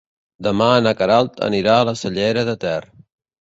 Demà na Queralt anirà a la Cellera de Ter.